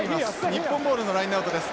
日本ボールのラインアウトです。